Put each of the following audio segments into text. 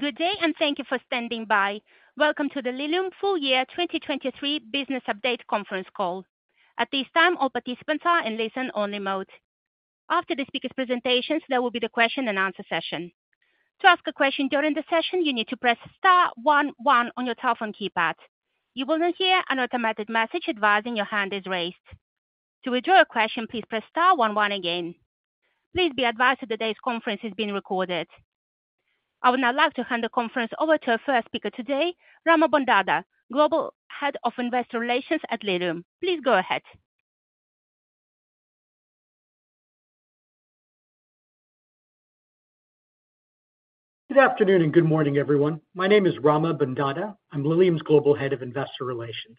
Good day and thank you for standing by. Welcome to the Lilium Full Year 2023 Business Update Conference call. At this time, all participants are in listen-only mode. After the speakers' presentations, there will be the question-and-answer session. To ask a question during the session, you need to press star one one on your telephone keypad. You will then hear an automated message advising your hand is raised. To withdraw a question, please press star one one again. Please be advised that today's conference is being recorded. I would now like to hand the conference over to our first speaker today, Rama Bondada, Global Head of Investor Relations at Lilium. Please go ahead. Good afternoon and good morning, everyone. My name is Rama Bondada. I'm Lilium's Global Head of Investor Relations.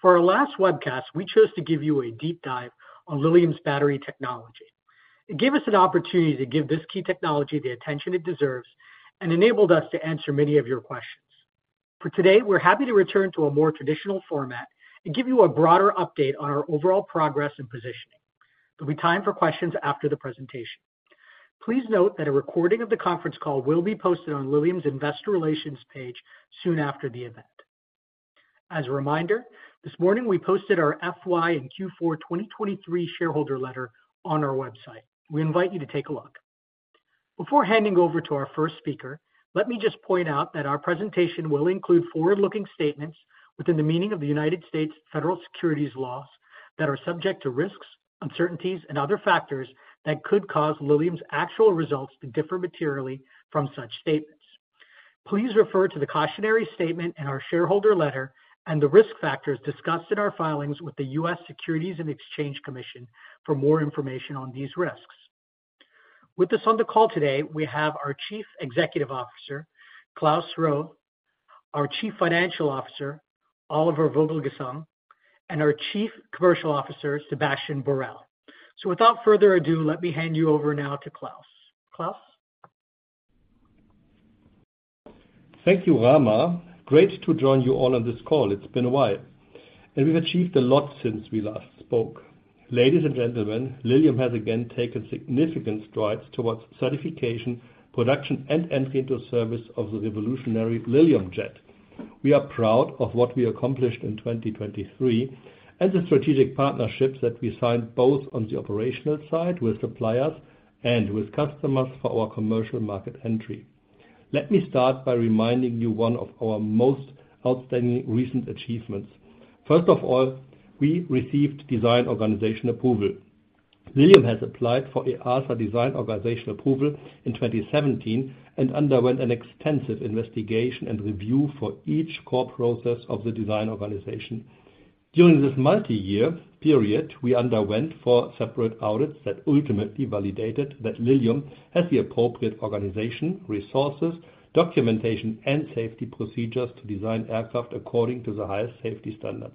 For our last webcast, we chose to give you a deep dive on Lilium's battery technology. It gave us an opportunity to give this key technology the attention it deserves and enabled us to answer many of your questions. For today, we're happy to return to a more traditional format and give you a broader update on our overall progress and positioning. There'll be time for questions after the presentation. Please note that a recording of the conference call will be posted on Lilium's Investor Relations page soon after the event. As a reminder, this morning we posted our FY and Q4 2023 shareholder letter on our website. We invite you to take a look. Before handing over to our first speaker, let me just point out that our presentation will include forward-looking statements within the meaning of the United States Federal Securities Laws that are subject to risks, uncertainties, and other factors that could cause Lilium's actual results to differ materially from such statements. Please refer to the cautionary statement and our shareholder letter and the risk factors discussed in our filings with the U.S. Securities and Exchange Commission for more information on these risks. With us on the call today, we have our Chief Executive Officer, Klaus Roewe, our Chief Financial Officer, Oliver Vogelgesang, and our Chief Commercial Officer, Sebastien Borel. So without further ado, let me hand you over now to Klaus. Klaus? Thank you, Rama. Great to join you all on this call. It's been a while. We've achieved a lot since we last spoke. Ladies and gentlemen, Lilium has again taken significant strides towards certification, production, and entry into service of the revolutionary Lilium Jet. We are proud of what we accomplished in 2023 and the strategic partnerships that we signed both on the operational side with suppliers and with customers for our commercial market entry. Let me start by reminding you one of our most outstanding recent achievements. First of all, we received Design Organization Approval. Lilium has applied for EASA Design Organization Approval in 2017 and underwent an extensive investigation and review for each core process of the design organization. During this multi-year period, we underwent four separate audits that ultimately validated that Lilium has the appropriate organization, resources, documentation, and safety procedures to design aircraft according to the highest safety standards.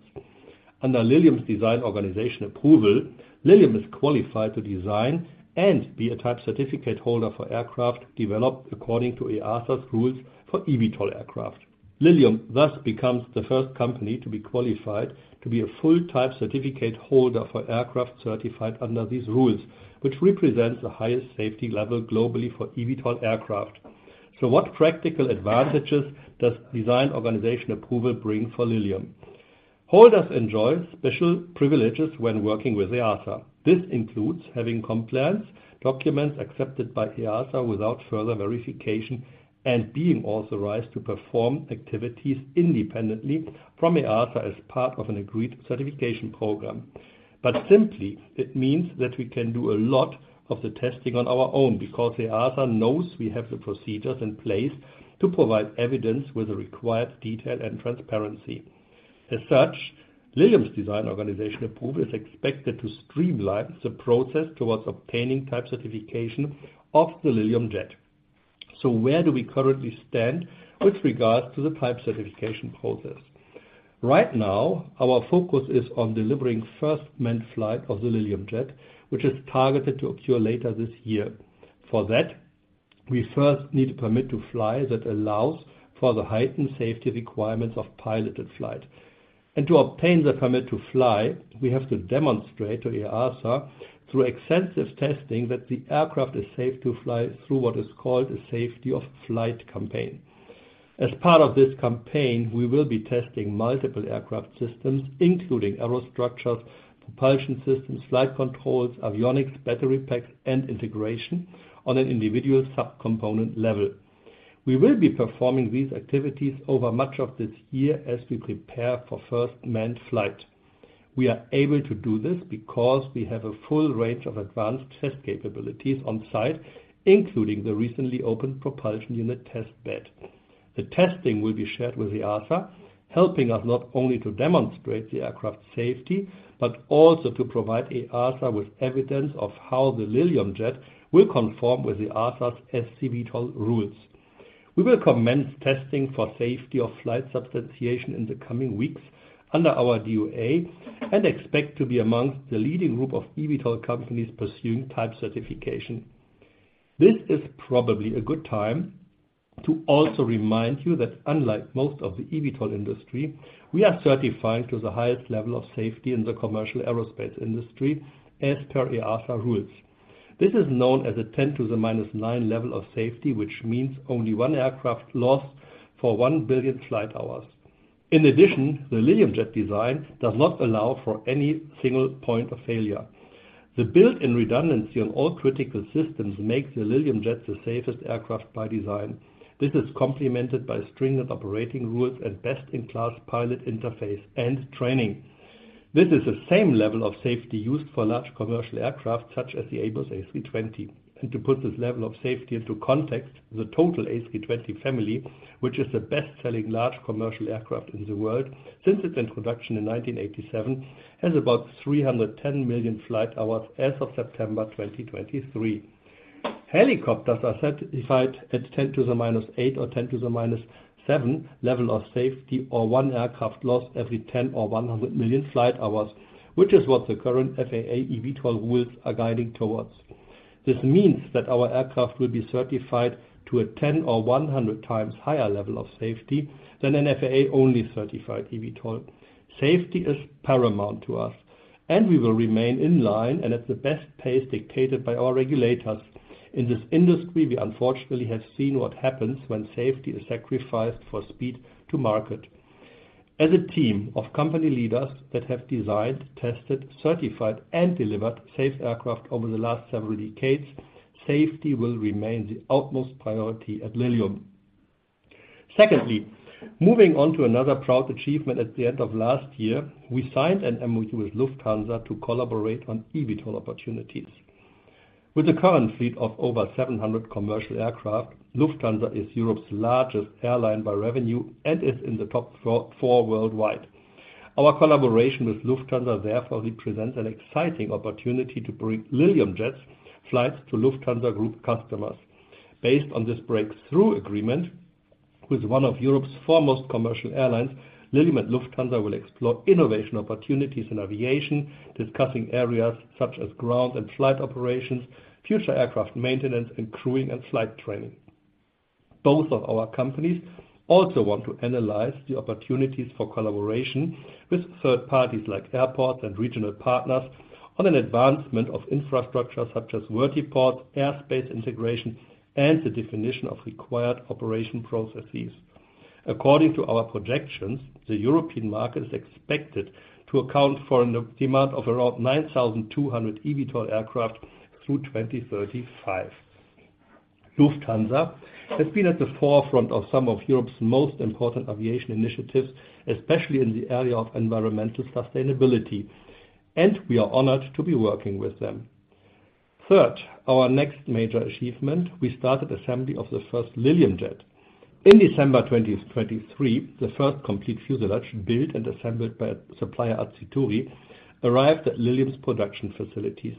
Under Lilium's Design Organization Approval, Lilium is qualified to design and be a Type Certificate holder for aircraft developed according to EASA's rules for eVTOL aircraft. Lilium thus becomes the first company to be qualified to be a full Type Certificate holder for aircraft certified under these rules, which represents the highest safety level globally for eVTOL aircraft. So what practical advantages does Design Organization Approval bring for Lilium? Holders enjoy special privileges when working with EASA. This includes having compliance documents accepted by EASA without further verification and being authorized to perform activities independently from EASA as part of an agreed certification program. Simply, it means that we can do a lot of the testing on our own because EASA knows we have the procedures in place to provide evidence with the required detail and transparency. As such, Lilium's Design Organization Approval is expected to streamline the process towards obtaining Type Certification of the Lilium Jet. Where do we currently stand with regards to the Type Certification process? Right now, our focus is on delivering first manned flight of the Lilium Jet, which is targeted to occur later this year. For that, we first need a Permit to Fly that allows for the heightened safety requirements of piloted flight. To obtain the Permit to Fly, we have to demonstrate to EASA through extensive testing that the aircraft is safe to fly through what is called a Safety of Flight Campaign. As part of this campaign, we will be testing multiple aircraft systems, including aerostructures, propulsion systems, flight controls, avionics, battery packs, and integration on an individual subcomponent level. We will be performing these activities over much of this year as we prepare for first manned flight. We are able to do this because we have a full range of advanced test capabilities on site, including the recently opened propulsion unit test bed. The testing will be shared with EASA, helping us not only to demonstrate the aircraft's safety but also to provide EASA with evidence of how the Lilium Jet will conform with EASA's SC-VTOL rules. We will commence testing for safety of flight substantiation in the coming weeks under our DOA and expect to be amongst the leading group of eVTOL companies pursuing type certification. This is probably a good time to also remind you that unlike most of the eVTOL industry, we are certifying to the highest level of safety in the commercial aerospace industry as per EASA rules. This is known as a 10^-9 level of safety, which means only one aircraft lost for one billion flight hours. In addition, the Lilium Jet design does not allow for any single point of failure. The built-in redundancy on all critical systems makes the Lilium Jet the safest aircraft by design. This is complemented by stringent operating rules and best-in-class pilot interface and training. This is the same level of safety used for large commercial aircraft such as the Airbus's A320. To put this level of safety into context, the total A320 family, which is the best-selling large commercial aircraft in the world since its introduction in 1987, has about 310 million flight hours as of September 2023. Helicopters are certified at 10 to the minus 8 or 10 to the minus 7 level of safety or one aircraft lost every 10 or 100 million flight hours, which is what the current FAA eVTOL rules are guiding towards. This means that our aircraft will be certified to a 10 or 100 times higher level of safety than an FAA-only certified eVTOL. Safety is paramount to us. We will remain in line and at the best pace dictated by our regulators. In this industry, we unfortunately have seen what happens when safety is sacrificed for speed to market. As a team of company leaders that have designed, tested, certified, and delivered safe aircraft over the last several decades, safety will remain the utmost priority at Lilium. Secondly, moving on to another proud achievement at the end of last year, we signed an MOU with Lufthansa to collaborate on eVTOL opportunities. With a current fleet of over 700 commercial aircraft, Lufthansa is Europe's largest airline by revenue and is in the top four worldwide. Our collaboration with Lufthansa therefore represents an exciting opportunity to bring Lilium Jet's flights to Lufthansa Group customers. Based on this breakthrough agreement with one of Europe's foremost commercial airlines, Lilium and Lufthansa will explore innovation opportunities in aviation, discussing areas such as ground and flight operations, future aircraft maintenance, and crewing and flight training. Both of our companies also want to analyze the opportunities for collaboration with third parties like airports and regional partners on an advancement of infrastructure such as vertical airspace integration and the definition of required operation processes. According to our projections, the European market is expected to account for a demand of around 9,200 eVTOL aircraft through 2035. Lufthansa has been at the forefront of some of Europe's most important aviation initiatives, especially in the area of environmental sustainability. We are honored to be working with them. Third, our next major achievement, we started assembly of the first Lilium Jet. In December 2023, the first complete fuselage, built and assembled by supplier Aciturri, arrived at Lilium's production facilities.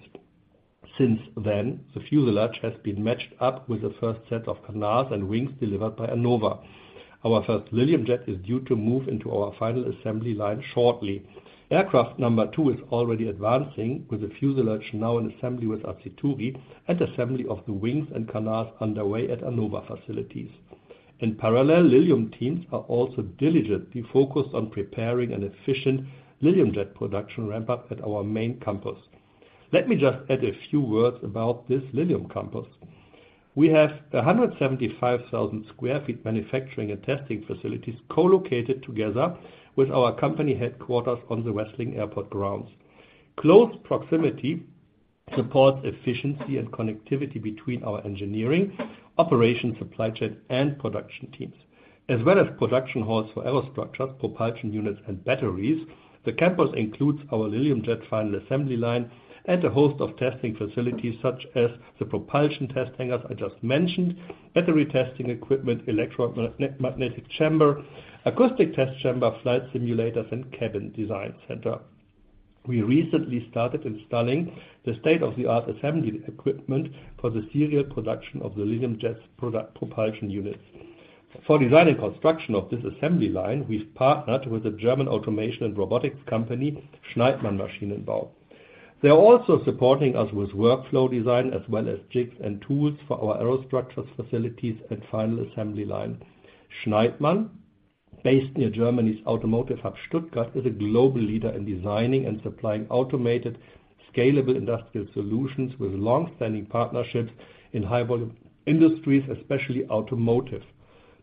Since then, the fuselage has been matched up with the first set of canards and wings delivered by Aernnova. Our first Lilium Jet is due to move into our final assembly line shortly. Aircraft number two is already advancing with the fuselage now in assembly with Aciturri and assembly of the wings and canards underway at Aernnova facilities. In parallel, Lilium teams are also diligently focused on preparing an efficient Lilium Jet production ramp-up at our main campus. Let me just add a few words about this Lilium campus. We have 175,000 sq ft manufacturing and testing facilities co-located together with our company headquarters on the Wessling Airport grounds. Close proximity supports efficiency and connectivity between our engineering, operation, supply chain, and production teams. As well as production halls for aerostructures, propulsion units, and batteries, the campus includes our Lilium Jet final assembly line and a host of testing facilities such as the propulsion test hangars I just mentioned, battery testing equipment, electromagnetic chamber, acoustic test chamber, flight simulators, and cabin design center. We recently started installing the state-of-the-art assembly equipment for the serial production of the Lilium Jet's propulsion units. For design and construction of this assembly line, we've partnered with the German automation and robotics company Schnaithmann Maschinenbau. They're also supporting us with workflow design as well as jigs and tools for our aerostructures facilities and final assembly line. Schnaithmann, based near Germany's automotive hub Stuttgart, is a global leader in designing and supplying automated, scalable industrial solutions with longstanding partnerships in high-volume industries, especially automotive.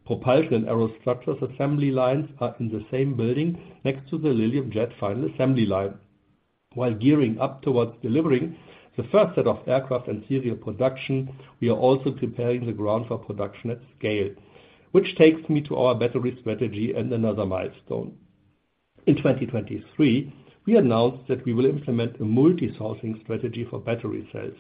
Propulsion and aerostructures assembly lines are in the same building next to the Lilium Jet final assembly line. While gearing up towards delivering the first set of aircraft and serial production, we are also preparing the ground for production at scale, which takes me to our battery strategy and another milestone. In 2023, we announced that we will implement a multi-sourcing strategy for battery cells.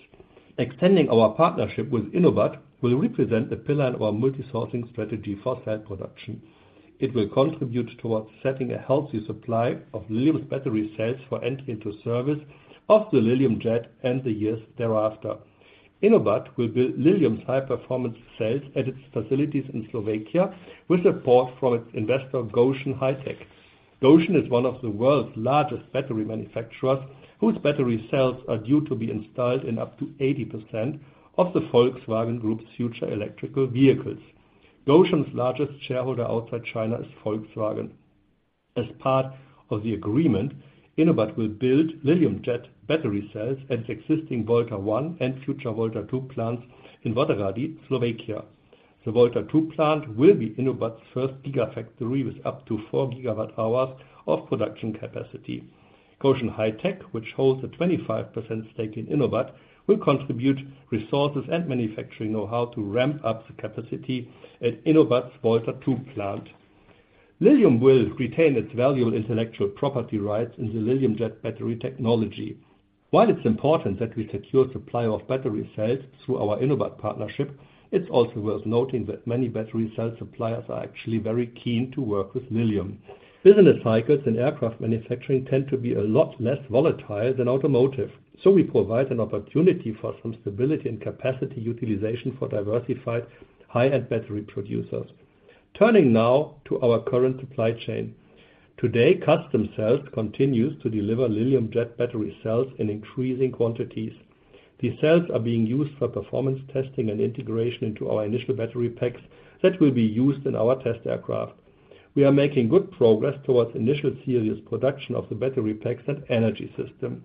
Extending our partnership with InoBat will represent a pillar in our multi-sourcing strategy for cell production. It will contribute towards setting a healthy supply of Lilium's battery cells for entry into service of the Lilium Jet and the years thereafter. InoBat will build Lilium's high-performance cells at its facilities in Slovakia with support from its investor Gotion High-Tech. Gotion High-Tech is one of the world's largest battery manufacturers whose battery cells are due to be installed in up to 80% of the Volkswagen Group's future electric vehicles. Gotion High-Tech's largest shareholder outside China is Volkswagen. As part of the agreement, InoBat will build Lilium Jet battery cells at its existing Volta 1 and future Volta 2 plants in Voderady, Slovakia. The Volta 2 plant will be InoBat's first gigafactory with up to four gigawatt-hours of production capacity. Gotion High-Tech, which holds a 25% stake in InoBat, will contribute resources and manufacturing know-how to ramp up the capacity at InoBat's Volta 2 plant. Lilium will retain its valuable intellectual property rights in the Lilium Jet battery technology. While it's important that we secure supply of battery cells through our InoBat partnership, it's also worth noting that many battery cell suppliers are actually very keen to work with Lilium. Business cycles in aircraft manufacturing tend to be a lot less volatile than automotive. So we provide an opportunity for some stability and capacity utilization for diversified high-end battery producers. Turning now to our current supply chain. Today, Customcells continue to deliver Lilium Jet battery cells in increasing quantities. These cells are being used for performance testing and integration into our initial battery packs that will be used in our test aircraft. We are making good progress towards initial series production of the battery packs and energy system.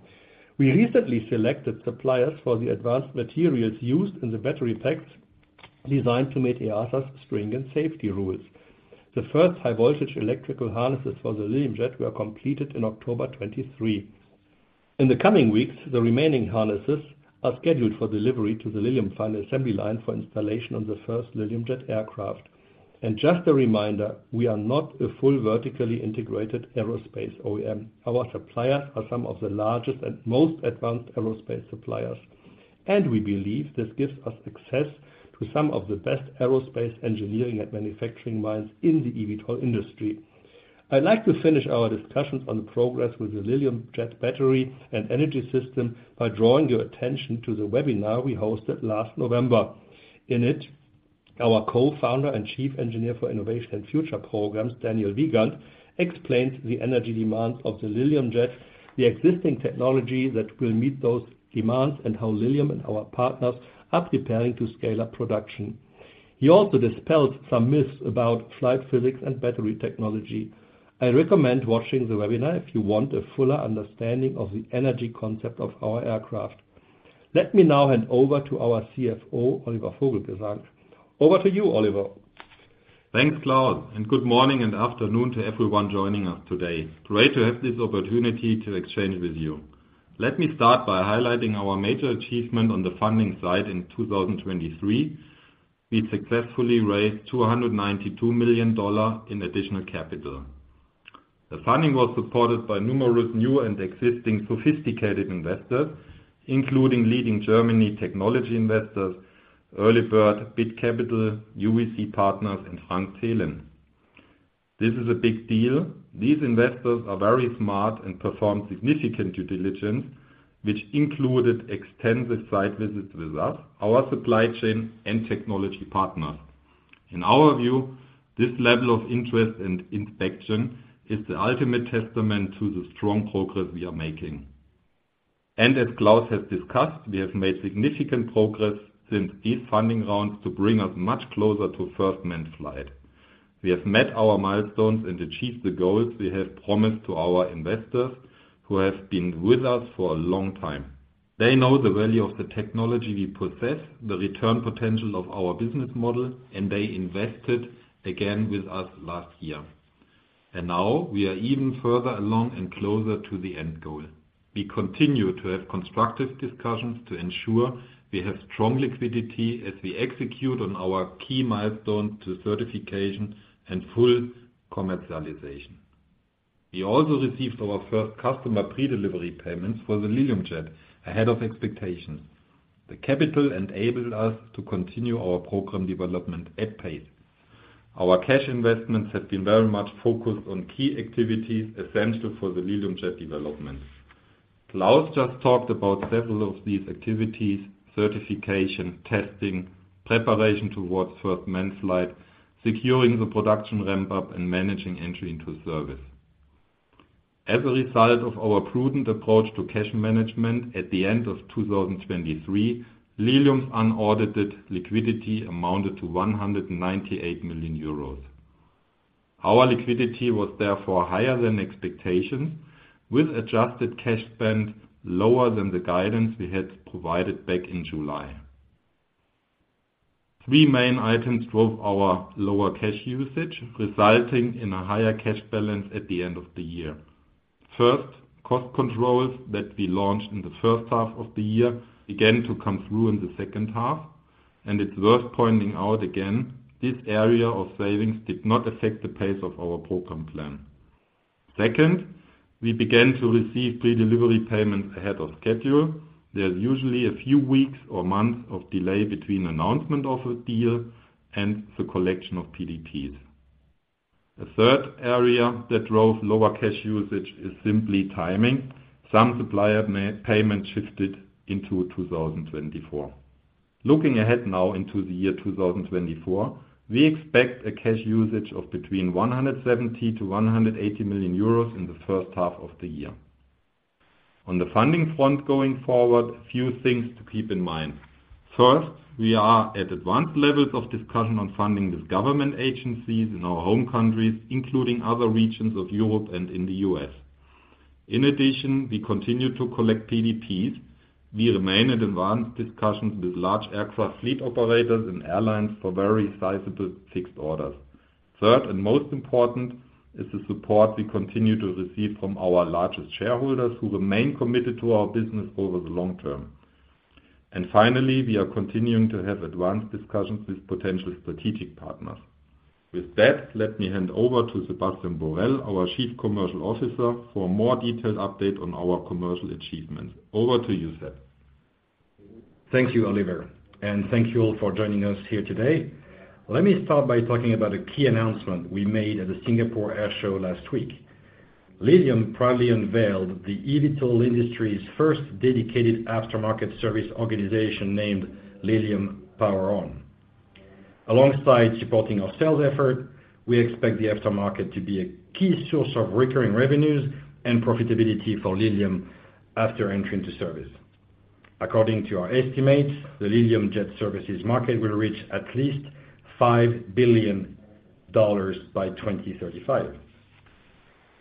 We recently selected suppliers for the advanced materials used in the battery packs designed to meet EASA's stringent safety rules. The first high-voltage electrical harnesses for the Lilium Jet were completed in October 2023. In the coming weeks, the remaining harnesses are scheduled for delivery to the Lilium final assembly line for installation on the first Lilium Jet aircraft. Just a reminder, we are not a full vertically integrated aerospace OEM. Our suppliers are some of the largest and most advanced aerospace suppliers. And we believe this gives us access to some of the best aerospace engineering and manufacturing minds in the eVTOL industry. I'd like to finish our discussions on the progress with the Lilium Jet battery and energy system by drawing your attention to the webinar we hosted last November. In it, our Co-founder and Chief Engineer for Innovation and Future Programs, Daniel Wiegand, explained the energy demands of the Lilium Jet, the existing technology that will meet those demands, and how Lilium and our partners are preparing to scale up production. He also dispelled some myths about flight physics and battery technology. I recommend watching the webinar if you want a fuller understanding of the energy concept of our aircraft. Let me now hand over to our CFO, Oliver Vogelgesang. Over to you, Oliver. Thanks, Klaus. Good morning and afternoon to everyone joining us today. Great to have this opportunity to exchange with you. Let me start by highlighting our major achievement on the funding side in 2023. We successfully raised $292 million in additional capital. The funding was supported by numerous new and existing sophisticated investors, including leading German technology investors, Earlybird, BIT Capital, UVC Partners, and Frank Thelen. This is a big deal. These investors are very smart and performed significant due diligence, which included extensive site visits with us, our supply chain, and technology partners. In our view, this level of interest and inspection is the ultimate testament to the strong progress we are making. As Klaus has discussed, we have made significant progress since these funding rounds to bring us much closer to first manned flight. We have met our milestones and achieved the goals we have promised to our investors who have been with us for a long time. They know the value of the technology we possess, the return potential of our business model, and they invested again with us last year. Now we are even further along and closer to the end goal. We continue to have constructive discussions to ensure we have strong liquidity as we execute on our key milestones to certification and full commercialization. We also received our first customer pre-delivery payments for the Lilium Jet ahead of expectations. The capital enabled us to continue our program development at pace. Our cash investments have been very much focused on key activities essential for the Lilium Jet development. Klaus just talked about several of these activities: certification, testing, preparation towards first manned flight, securing the production ramp-up, and managing entry into service. As a result of our prudent approach to cash management, at the end of 2023, Lilium's unaudited liquidity amounted to 198 million euros. Our liquidity was therefore higher than expectations, with adjusted cash spend lower than the guidance we had provided back in July. Three main items drove our lower cash usage, resulting in a higher cash balance at the end of the year. First, cost controls that we launched in the first half of the year began to come through in the second half. And it's worth pointing out again, this area of savings did not affect the pace of our program plan. Second, we began to receive pre-delivery payments ahead of schedule. There's usually a few weeks or months of delay between announcement of a deal and the collection of PDPs. A third area that drove lower cash usage is simply timing. Some supplier payments shifted into 2024. Looking ahead now into the year 2024, we expect a cash usage of between 170 million-180 million euros in the first half of the year. On the funding front going forward, a few things to keep in mind. First, we are at advanced levels of discussion on funding with government agencies in our home countries, including other regions of Europe and in the U.S. In addition, we continue to collect PDPs. We remain at advanced discussions with large aircraft fleet operators and airlines for very sizable fixed orders. Third and most important is the support we continue to receive from our largest shareholders who remain committed to our business over the long term. Finally, we are continuing to have advanced discussions with potential strategic partners. With that, let me hand over to Sebastien Borel, our Chief Commercial Officer, for a more detailed update on our commercial achievements. Over to you, Seb. Thank you, Oliver. Thank you all for joining us here today. Let me start by talking about a key announcement we made at the Singapore Air Show last week. Lilium proudly unveiled the eVTOL industry's first dedicated aftermarket service organization named Lilium Power-On. Alongside supporting our sales effort, we expect the aftermarket to be a key source of recurring revenues and profitability for Lilium after entry into service. According to our estimates, the Lilium Jet services market will reach at least $5 billion by 2035.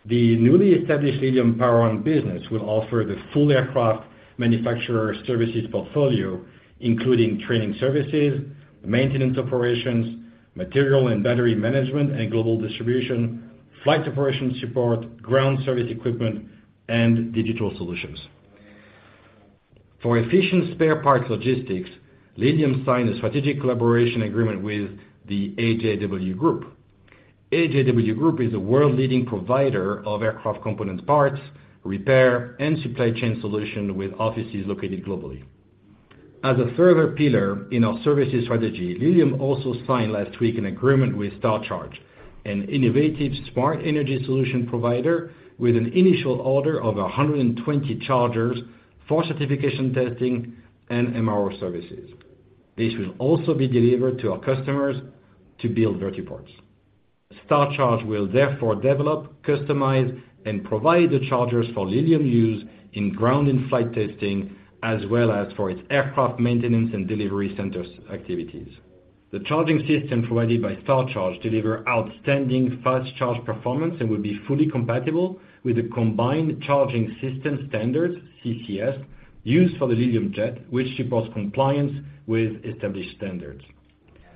The newly established Lilium Power-On business will offer the full aircraft manufacturer services portfolio, including training services, maintenance operations, material and battery management and global distribution, flight operation support, ground service equipment, and digital solutions. For efficient spare parts logistics, Lilium signed a strategic collaboration agreement with the AJW Group. AJW Group is a world-leading provider of aircraft component parts, repair, and supply chain solutions with offices located globally. As a further pillar in our services strategy, Lilium also signed last week an agreement with StarCharge, an innovative smart energy solution provider with an initial order of 120 chargers for certification testing and MRO services. This will also be delivered to our customers to build vertiports. StarCharge will therefore develop, customize, and provide the chargers for Lilium use in ground and flight testing, as well as for its aircraft maintenance and delivery center activities. The charging system provided by StarCharge delivers outstanding fast charge performance and will be fully compatible with the Combined Charging System standards (CCS) used for the Lilium Jet, which supports compliance with established standards.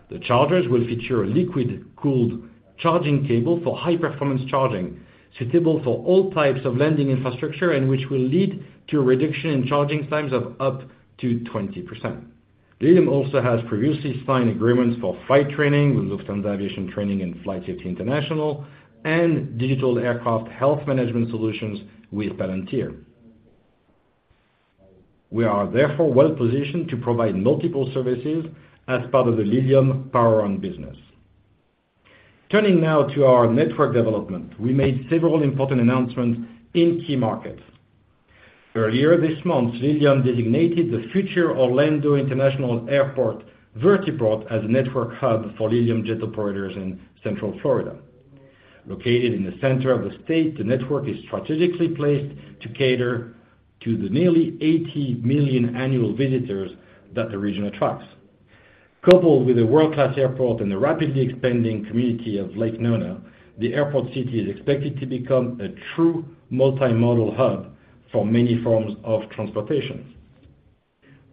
The chargers will feature a liquid-cooled charging cable for high-performance charging, suitable for all types of landing infrastructure, and which will lead to a reduction in charging times of up to 20%. Lilium also has previously signed agreements for flight training with Lufthansa Aviation Training and FlightSafety International and digital aircraft health management solutions with Palantir. We are therefore well positioned to provide multiple services as part of the Lilium Power-On business. Turning now to our network development, we made several important announcements in key markets. Earlier this month, Lilium designated the future Orlando International Airport VertiPort as a network hub for Lilium Jet operators in Central Florida. Located in the center of the state, the network is strategically placed to cater to the nearly 80 million annual visitors that the region attracts. Coupled with a world-class airport and the rapidly expanding community of Lake Nona, the airport city is expected to become a true multimodal hub for many forms of transportation.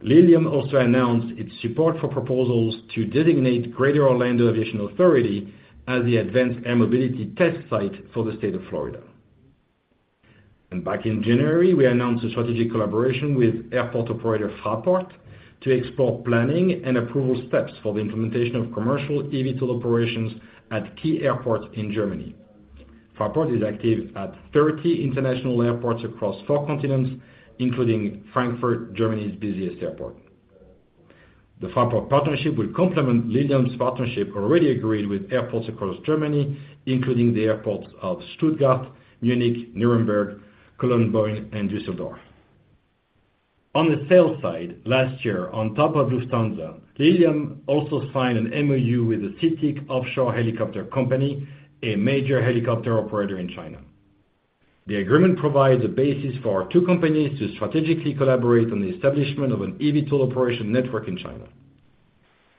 Lilium also announced its support for proposals to designate Greater Orlando Aviation Authority as the advanced air mobility test site for the state of Florida. Back in January, we announced a strategic collaboration with airport operator Fraport to explore planning and approval steps for the implementation of commercial eVTOL operations at key airports in Germany. Fraport is active at 30 international airports across four continents, including Frankfurt, Germany's busiest airport. The Fraport partnership will complement Lilium's partnership already agreed with airports across Germany, including the airports of Stuttgart, Munich, Nuremberg, Köln Bonn, and Düsseldorf. On the sales side, last year, on top of Lufthansa, Lilium also signed an MOU with the CITIC Offshore Helicopter Company, a major helicopter operator in China. The agreement provides a basis for our two companies to strategically collaborate on the establishment of an eVTOL operation network in China.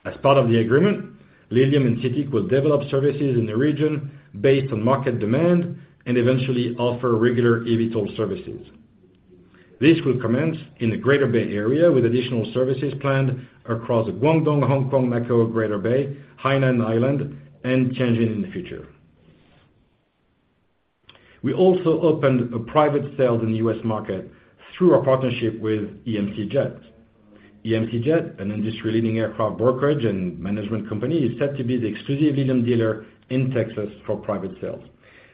As part of the agreement, Lilium and CITIC will develop services in the region based on market demand and eventually offer regular eVTOL services. This will commence in the Greater Bay Area with additional services planned across Guangdong, Hong Kong, Macau Greater Bay, Hainan Island, and Tianjin in the future. We also opened a private sales in the U.S. market through our partnership with EMCJET. EMCJET, an industry-leading aircraft brokerage and management company, is said to be the exclusive Lilium dealer in Texas for private sales.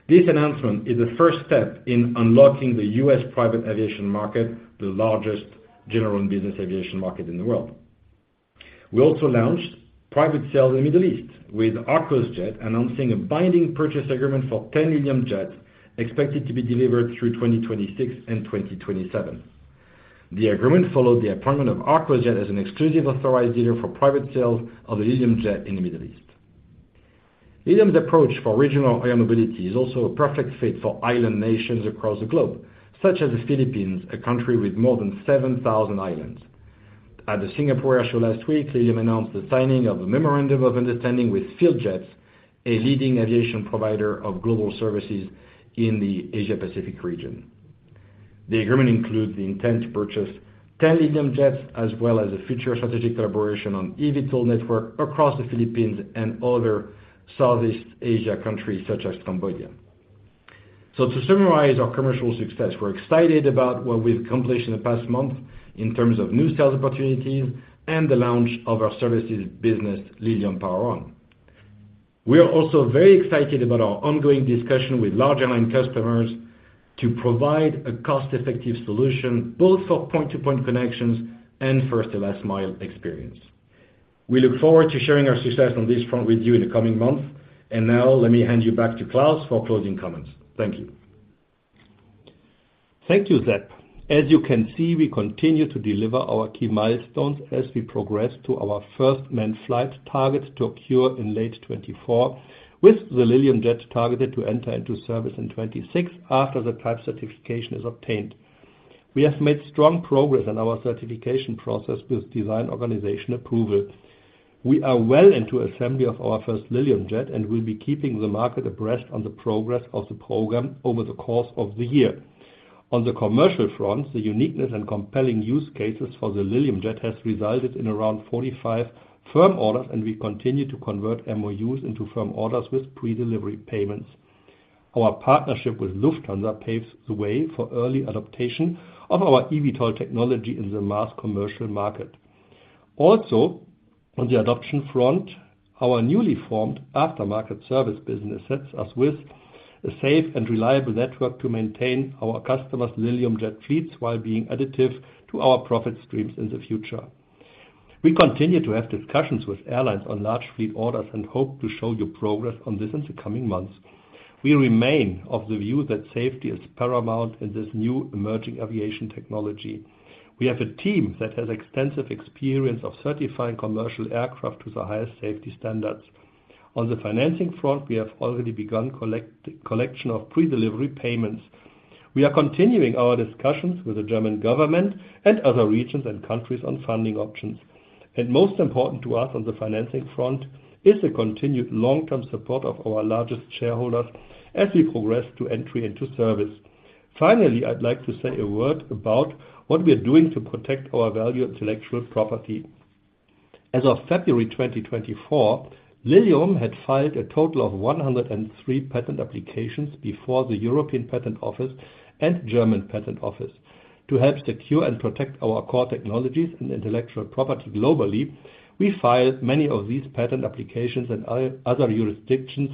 This announcement is the first step in unlocking the U.S. private aviation market, the largest general business aviation market in the world. We also launched private sales in the Middle East with ArcosJet announcing a binding purchase agreement for 10 Lilium Jets expected to be delivered through 2026 and 2027. The agreement followed the appointment of ArcosJet as an exclusive authorized dealer for private sales of the Lilium Jet in the Middle East. Lilium's approach for regional air mobility is also a perfect fit for island nations across the globe, such as the Philippines, a country with more than 7,000 islands. At the Singapore Air Show last week, Lilium announced the signing of a memorandum of understanding with PhilJets, a leading aviation provider of global services in the Asia-Pacific region. The agreement includes the intent to purchase 10 Lilium Jets, as well as a future strategic collaboration on eVTOL network across the Philippines and other Southeast Asia countries, such as Cambodia. So to summarize our commercial success, we're excited about what we've accomplished in the past month in terms of new sales opportunities and the launch of our services business, Lilium Power-On. We are also very excited about our ongoing discussion with large airline customers to provide a cost-effective solution both for point-to-point connections and first-to-last-mile experience. We look forward to sharing our success on this front with you in the coming months. And now, let me hand you back to Klaus for closing comments. Thank you. Thank you, Seb. As you can see, we continue to deliver our key milestones as we progress to our first manned flight target to occur in late 2024, with the Lilium Jet targeted to enter into service in 2026 after the type certification is obtained. We have made strong progress in our certification process with Design Organization Approval. We are well into assembly of our first Lilium Jet and will be keeping the market abreast on the progress of the program over the course of the year. On the commercial front, the uniqueness and compelling use cases for the Lilium Jet have resulted in around 45 firm orders, and we continue to convert MOUs into firm orders with pre-delivery payments. Our partnership with Lufthansa paves the way for early adaptation of our eVTOL technology in the mass commercial market. Also, on the adoption front, our newly formed aftermarket service business sets us with a safe and reliable network to maintain our customers' Lilium Jet fleets while being additive to our profit streams in the future. We continue to have discussions with airlines on large fleet orders and hope to show your progress on this in the coming months. We remain of the view that safety is paramount in this new emerging aviation technology. We have a team that has extensive experience of certifying commercial aircraft to the highest safety standards. On the financing front, we have already begun collection of pre-delivery payments. We are continuing our discussions with the German government and other regions and countries on funding options. And most important to us on the financing front is the continued long-term support of our largest shareholders as we progress to entry into service. Finally, I'd like to say a word about what we are doing to protect our valued intellectual property. As of February 2024, Lilium had filed a total of 103 patent applications before the European Patent Office and German Patent Office. To help secure and protect our core technologies and intellectual property globally, we filed many of these patent applications in other jurisdictions,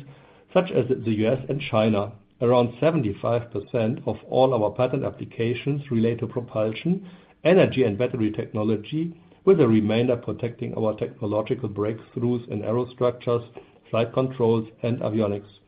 such as the U.S. and China. Around 75% of all our patent applications relate to propulsion, energy, and battery technology, with the remainder protecting our technological breakthroughs in aerostructures, flight controls, and avionics.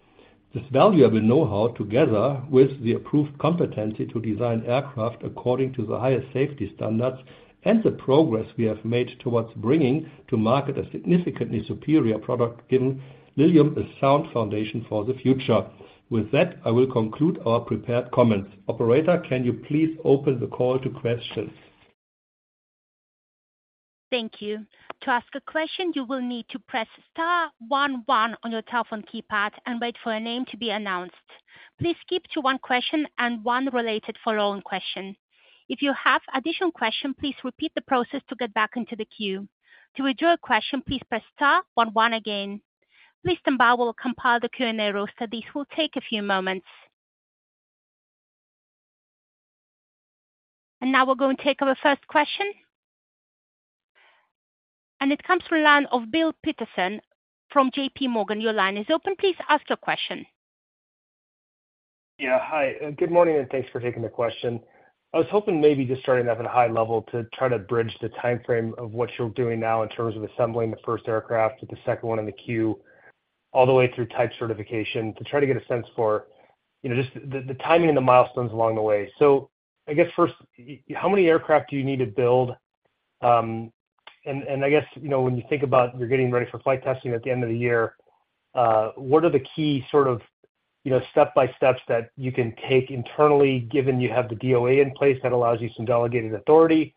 This valuable know-how, together with the approved competency to design aircraft according to the highest safety standards and the progress we have made towards bringing to market a significantly superior product, given Lilium is a sound foundation for the future. With that, I will conclude our prepared comments. Operator, can you please open the call to questions? Thank you. To ask a question, you will need to press star one one on your telephone keypad and wait for a name to be announced. Please keep to one question and one related following question. If you have additional questions, please repeat the process to get back into the queue. To withdraw a question, please press star one one again. Mr. Bao will compile the Q&A roster. This will take a few moments. Now we're going to take our first question. It comes from the line of Bill Peterson from J.P. Morgan. Your line is open. Please ask your question. Yeah, hi. Good morning and thanks for taking the question. I was hoping maybe just starting off at a high level to try to bridge the timeframe of what you're doing now in terms of assembling the first aircraft with the second one in the queue all the way through type certification to try to get a sense for just the timing and the milestones along the way. So I guess first, how many aircraft do you need to build? And I guess when you think about you're getting ready for flight testing at the end of the year, what are the key sort of step-by-steps that you can take internally, given you have the DOA in place that allows you some delegated authority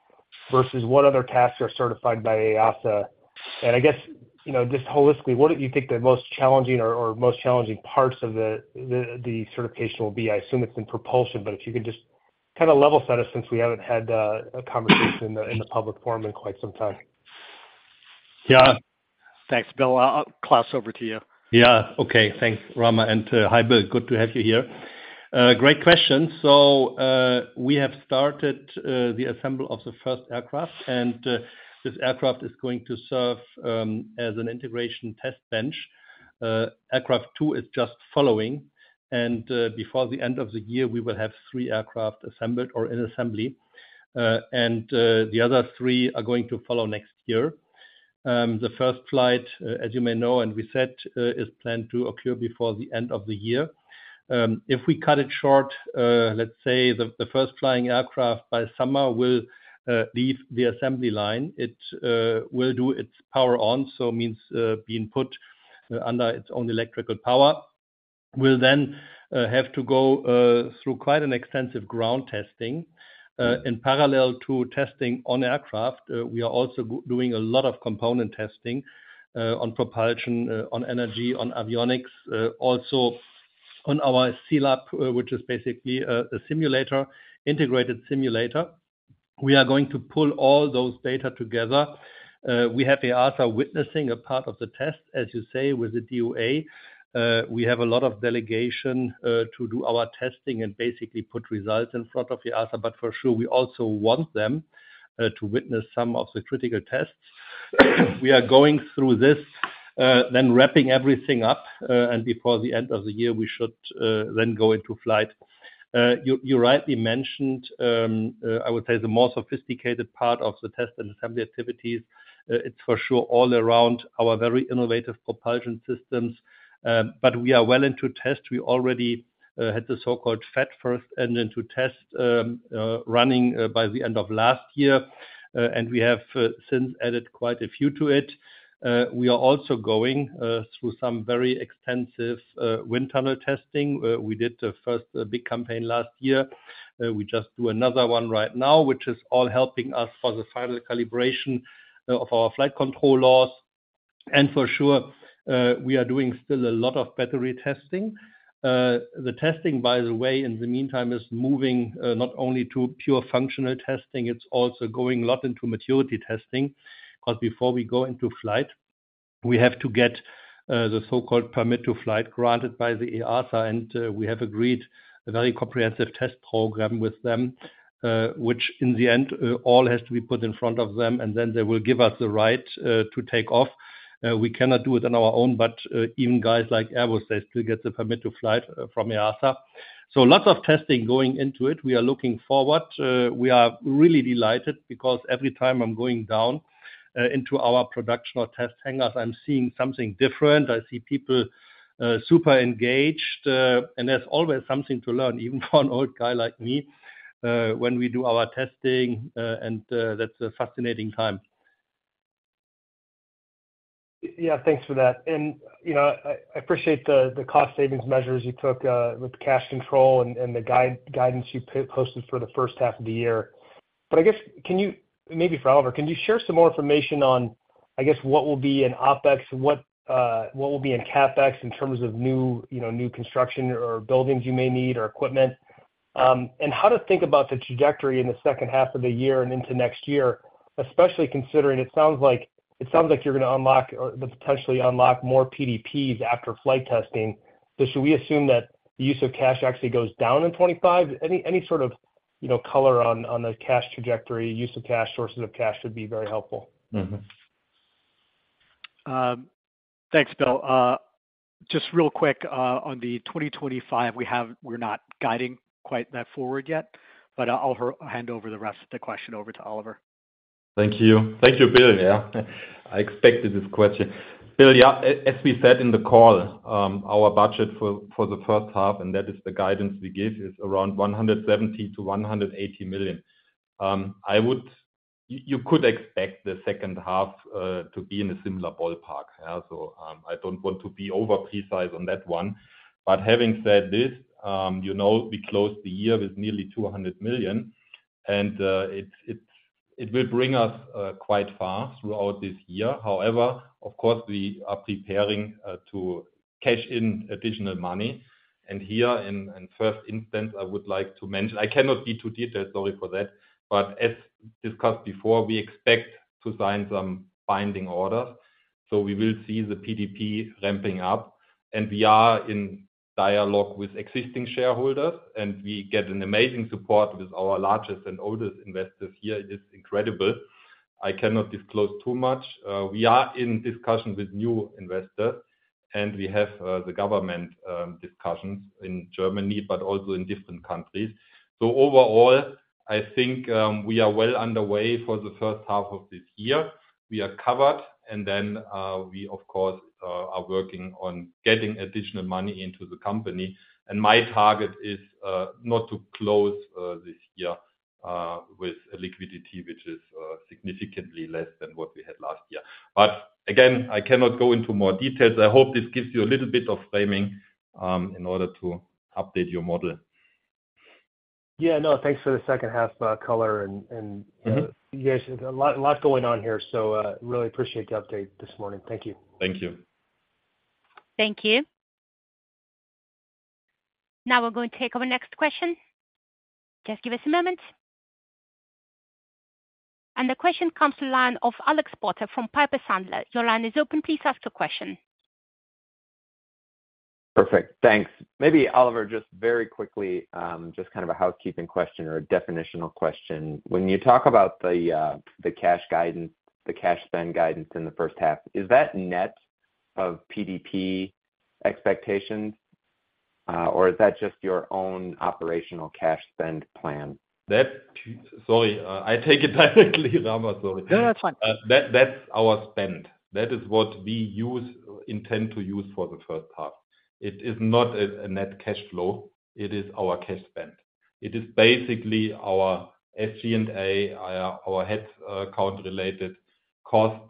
versus what other tasks are certified by EASA? And I guess just holistically, what do you think the most challenging or most challenging parts of the certification will be? I assume it's in propulsion, but if you could just kind of level set us since we haven't had a conversation in the public forum in quite some time. Yeah. Thanks, Bill. Klaus, over to you. Yeah. Okay. Thanks, Rama. And hi Bill. Good to have you here. Great question. So we have started the assembly of the first aircraft, and this aircraft is going to serve as an integration test bench. Aircraft two is just following. And before the end of the year, we will have three aircraft assembled or in assembly. And the other three are going to follow next year. The first flight, as you may know and we said, is planned to occur before the end of the year. If we cut it short, let's say the first flying aircraft by summer will leave the assembly line. It will do its power on, so means being put under its own electrical power, will then have to go through quite an extensive ground testing. In parallel to testing on aircraft, we are also doing a lot of component testing on propulsion, on energy, on avionics, also on our CLAP, which is basically an integrated simulator. We are going to pull all those data together. We have EASA witnessing a part of the tests, as you say, with the DOA. We have a lot of delegation to do our testing and basically put results in front of EASA. But for sure, we also want them to witness some of the critical tests. We are going through this, then wrapping everything up. And before the end of the year, we should then go into flight. You rightly mentioned, I would say, the more sophisticated part of the test and assembly activities. It's for sure all around our very innovative propulsion systems. But we are well into test. We already had the so-called FETT, First Engine to Test, running by the end of last year. And we have since added quite a few to it. We are also going through some very extensive wind tunnel testing. We did the first big campaign last year. We just do another one right now, which is all helping us for the final calibration of our flight control laws. And for sure, we are doing still a lot of battery testing. The testing, by the way, in the meantime is moving not only to pure functional testing. It's also going a lot into maturity testing because before we go into flight, we have to get the so-called permit to fly granted by EASA. We have agreed a very comprehensive test program with them, which in the end, all has to be put in front of them. Then they will give us the right to take off. We cannot do it on our own, but even guys like Airbus, they still get the permit to fly from EASA. So lots of testing going into it. We are looking forward. We are really delighted because every time I'm going down into our production or test hangars, I'm seeing something different. I see people super engaged. There's always something to learn, even for an old guy like me, when we do our testing. That's a fascinating time. Yeah. Thanks for that. I appreciate the cost savings measures you took with cash control and the guidance you posted for the first half of the year. But I guess can you maybe for Oliver, can you share some more information on, I guess, what will be in OPEX, what will be in CapEx in terms of new construction or buildings you may need or equipment, and how to think about the trajectory in the second half of the year and into next year, especially considering it sounds like you're going to unlock or potentially unlock more PDPs after flight testing. So should we assume that the use of cash actually goes down in 2025? Any sort of color on the cash trajectory, use of cash, sources of cash would be very helpful. Thanks, Bill. Just real quick, on the 2025, we're not guiding quite that forward yet. But I'll hand over the rest of the question over to Oliver. Thank you. Thank you, Bill. Yeah. I expected this question. Bill, yeah, as we said in the call, our budget for the first half, and that is the guidance we give, is around 170 million-180 million. You could expect the second half to be in a similar ballpark. Yeah. So I don't want to be over-precise on that one. But having said this, we closed the year with nearly 200 million. And it will bring us quite far throughout this year. However, of course, we are preparing to cash in additional money. And here in first instance, I would like to mention I cannot be too detailed, sorry for that. But as discussed before, we expect to sign some binding orders. So we will see the PDP ramping up. And we are in dialogue with existing shareholders. We get an amazing support with our largest and oldest investors here. It is incredible. I cannot disclose too much. We are in discussion with new investors. We have the government discussions in Germany, but also in different countries. Overall, I think we are well underway for the first half of this year. We are covered. Then we, of course, are working on getting additional money into the company. My target is not to close this year with a liquidity, which is significantly less than what we had last year. But again, I cannot go into more details. I hope this gives you a little bit of framing in order to update your model. Yeah. No. Thanks for the second half color and yes, a lot going on here. Really appreciate the update this morning. Thank you. Thank you. Thank you. Now we're going to take our next question. Just give us a moment. And the question comes to the line of Alex Potter from Piper Sandler. Your line is open. Please ask your question. Perfect. Thanks. Maybe Oliver, just very quickly, just kind of a housekeeping question or a definitional question. When you talk about the cash spend guidance in the first half, is that net of PDP expectations, or is that just your own operational cash spend plan? Sorry. I take it directly, Rama. Sorry. No, that's fine. That's our spend. That is what we intend to use for the first half. It is not a net cash flow. It is our cash spend. It is basically our SG&A, our headcount-related cost.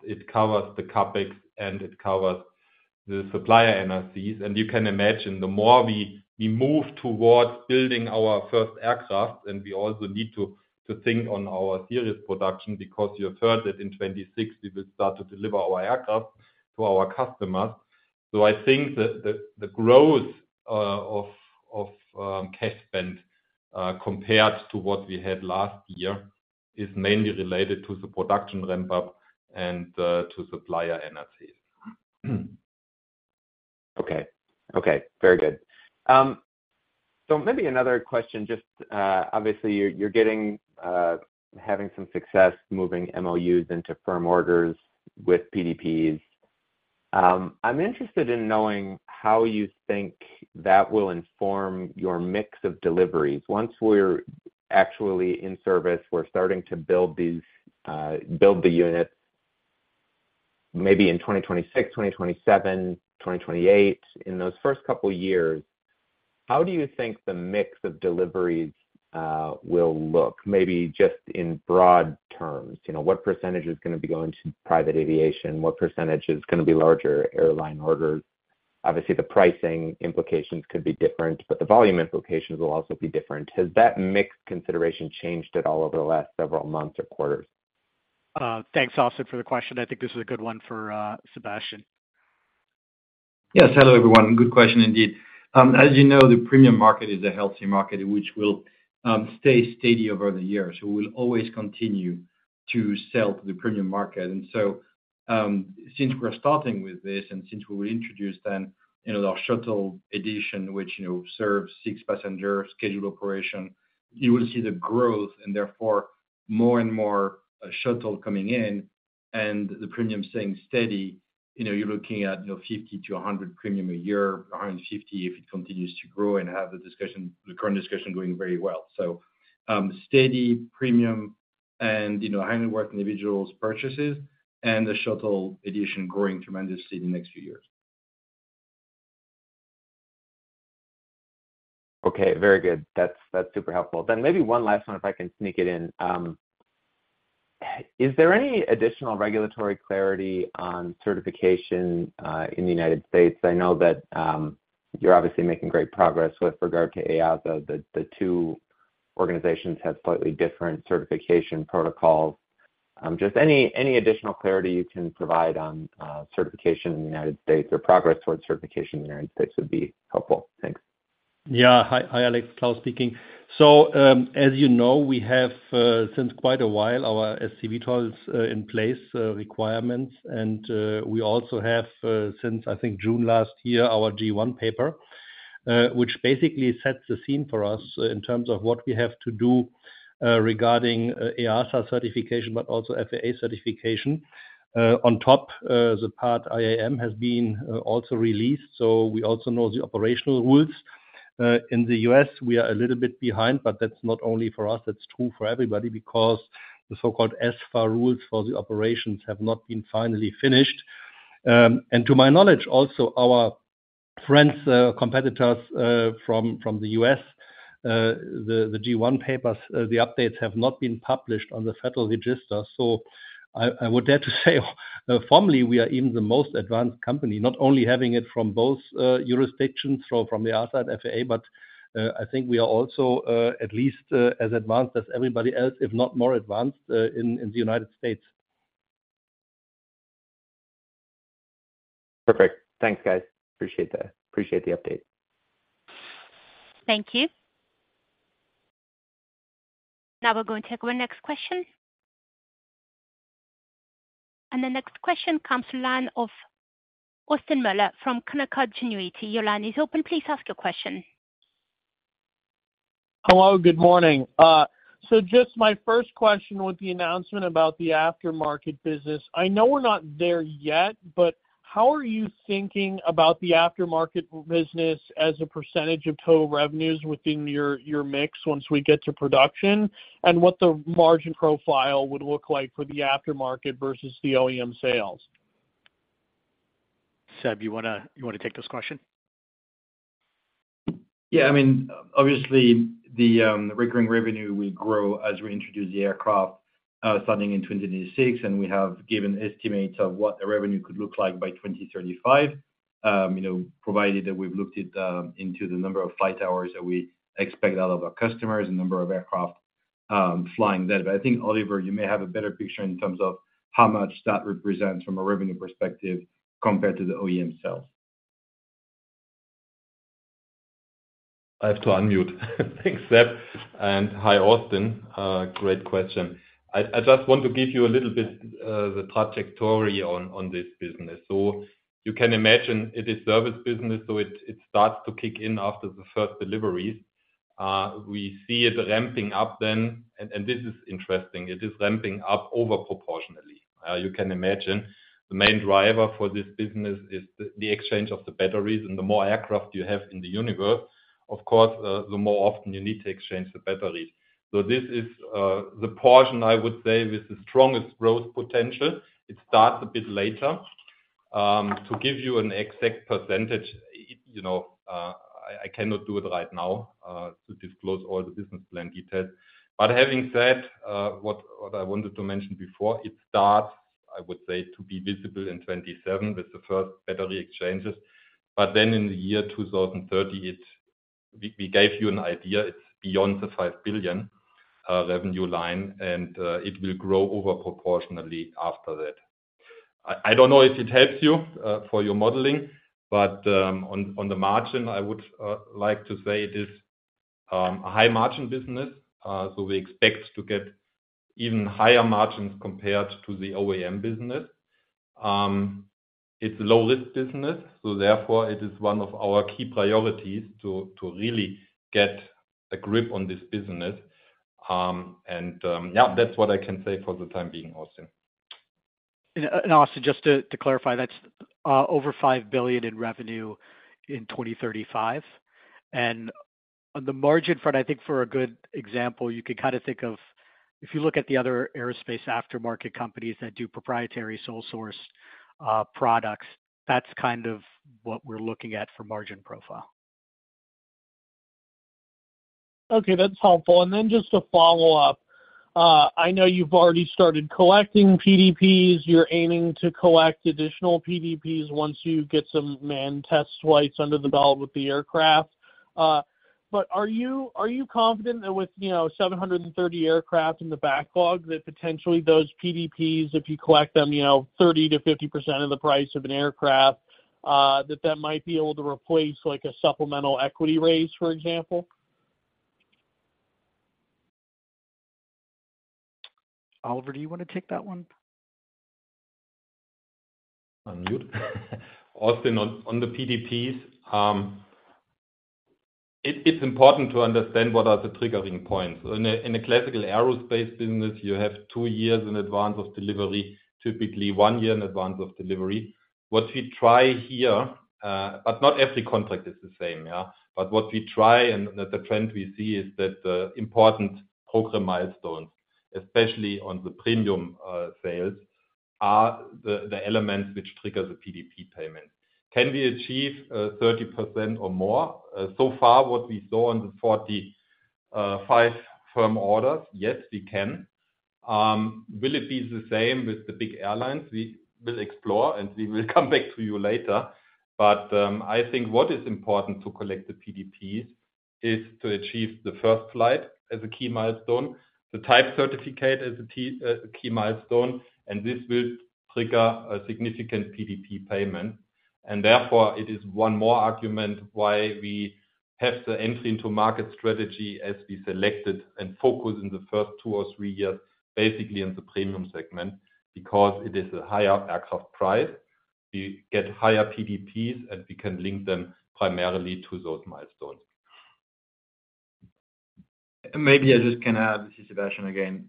It covers the CapEx, and it covers the supplier NRCs. You can imagine, the more we move towards building our first aircraft, and we also need to think on our series production because you have heard that in 2026, we will start to deliver our aircraft to our customers. I think the growth of cash spend compared to what we had last year is mainly related to the production ramp-up and to supplier NRCs. Okay. Okay. Very good. Maybe another question. Obviously, you're having some success moving MOUs into firm orders with PDPs. I'm interested in knowing how you think that will inform your mix of deliveries. Once we're actually in service, we're starting to build the units maybe in 2026, 2027, 2028, in those first couple of years, how do you think the mix of deliveries will look, maybe just in broad terms? What percentage is going to be going to private aviation? What percentage is going to be larger airline orders? Obviously, the pricing implications could be different, but the volume implications will also be different. Has that mixed consideration changed at all over the last several months or quarters? Thanks, Austin, for the question. I think this is a good one for Sebastien. Yes. Hello, everyone. Good question, indeed. As you know, the premium market is a healthy market, which will stay steady over the years. We will always continue to sell to the premium market. And so since we're starting with this and since we will introduce then our shuttle edition, which serves six passengers, scheduled operation, you will see the growth and therefore more and more shuttles coming in. And the premium staying steady, you're looking at 50-100 premium a year, 150 if it continues to grow and have the current discussion going very well. So, steady premium and high-net-worth individuals' purchases and the shuttle edition growing tremendously in the next few years. Okay. Very good. That's super helpful. Then maybe one last one, if I can sneak it in. Is there any additional regulatory clarity on certification in the United States? I know that you're obviously making great progress with regard to EASA. The two organizations have slightly different certification protocols. Just any additional clarity you can provide on certification in the United States or progress towards certification in the United States would be helpful. Thanks. Yeah. Hi, Alex. Klaus speaking. So as you know, we have since quite a while our SC-VTOL in-place requirements. And we also have, since, I think, June last year, our G-1 Paper, which basically sets the scene for us in terms of what we have to do regarding EASA certification, but also FAA certification. On top, the Part IAM has been also released. So we also know the operational rules. In the US, we are a little bit behind, but that's not only for us. That's true for everybody because the so-called SFAR rules for the operations have not been finally finished. And to my knowledge, also, our friends, competitors from the US, the G-1 papers, the updates have not been published on the Federal Register. So I would dare to say formally, we are even the most advanced company, not only having it from both jurisdictions, from the EASA and FAA, but I think we are also at least as advanced as everybody else, if not more advanced, in the United States. Perfect. Thanks, guys. Appreciate the update. Thank you. Now we're going to take our next question. And the next question comes from line of Austin Moeller from Canaccord Genuity. Your line is open. Please ask your question. Hello. Good morning. So just my first question with the announcement about the aftermarket business. I know we're not there yet, but how are you thinking about the aftermarket business as a percentage of total revenues within your mix once we get to production and what the margin profile would look like for the aftermarket versus the OEM sales? Seb, you want to take this question? Yeah. I mean, obviously, the recurring revenue, we grow as we introduce the aircraft starting in 2026. And we have given estimates of what the revenue could look like by 2035, provided that we've looked into the number of flight hours that we expect out of our customers, the number of aircraft flying that. But I think, Oliver, you may have a better picture in terms of how much that represents from a revenue perspective compared to the OEM sales. I have to unmute. Thanks, Seb. And hi, Austin. Great question. I just want to give you a little bit the trajectory on this business. So you can imagine, it is service business. So it starts to kick in after the first deliveries. We see it ramping up then. And this is interesting. It is ramping up overproportionately. You can imagine, the main driver for this business is the exchange of the batteries. And the more aircraft you have in the universe, of course, the more often you need to exchange the batteries. So this is the portion, I would say, with the strongest growth potential. It starts a bit later. To give you an exact percentage, I cannot do it right now to disclose all the business plan details. But having said what I wanted to mention before, it starts, I would say, to be visible in 2027 with the first battery exchanges. But then in the year 2030, we gave you an idea. It's beyond the 5 billion revenue line. And it will grow overproportionately after that. I don't know if it helps you for your modeling, but on the margin, I would like to say it is a high-margin business. So we expect to get even higher margins compared to the OEM business. It's a low-risk business. So therefore, it is one of our key priorities to really get a grip on this business. And yeah, that's what I can say for the time being, Austin. Austin, just to clarify, that's over 5 billion in revenue in 2035. On the margin front, I think for a good example, you could kind of think of if you look at the other aerospace aftermarket companies that do proprietary sole-source products, that's kind of what we're looking at for margin profile. Okay. That's helpful. Then just to follow up, I know you've already started collecting PDPs. You're aiming to collect additional PDPs once you get some man-test flights under the belt with the aircraft. But are you confident that with 730 aircraft in the backlog, that potentially those PDPs, if you collect them 30%-50% of the price of an aircraft, that that might be able to replace a supplemental equity raise, for example? Oliver, do you want to take that one? Unmute. Austin, on the PDPs, it's important to understand what are the triggering points. In a classical aerospace business, you have 2 years in advance of delivery, typically 1 year in advance of delivery. What we try here but not every contract is the same. Yeah. But what we try and the trend we see is that the important program milestones, especially on the premium sales, are the elements which trigger the PDP payments. Can we achieve 30% or more? So far, what we saw on the 45 firm orders, yes, we can. Will it be the same with the big airlines? We will explore, and we will come back to you later. But I think what is important to collect the PDPs is to achieve the first flight as a key milestone, the Type Certificate as a key milestone. And this will trigger a significant PDP payment. Therefore, it is one more argument why we have the entry into market strategy as we selected and focus in the first two or three years, basically in the premium segment, because it is a higher aircraft price. We get higher PDPs, and we can link them primarily to those milestones. Maybe I just can add this is Sebastien again.